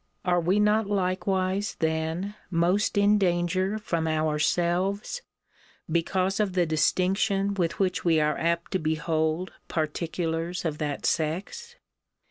Are we not likewise then most in danger from ourselves, because of the distinction with which we are apt to behold particulars of that sex.